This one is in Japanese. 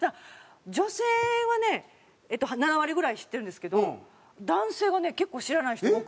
女性はね７割ぐらい知ってるんですけど男性がね結構知らない人多くて。